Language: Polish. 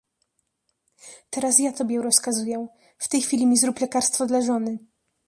"Teraz ja tobie rozkazuję: w tej chwili mi zrób lekarstwo dla żony!"